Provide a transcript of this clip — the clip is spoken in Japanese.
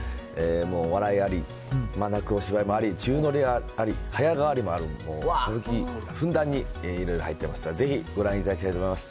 もう笑いあり、泣くお芝居もあり、宙乗りあり、早替わりもある、歌舞伎、ふんだんにいろいろ入ってますから、ぜひご覧いただきたいと思います。